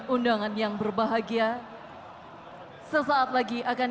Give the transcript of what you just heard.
upacara telah dilaksanakan